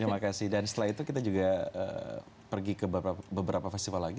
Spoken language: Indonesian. terima kasih dan setelah itu kita juga pergi ke beberapa festival lagi